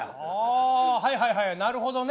ああはいはいはいなるほどね。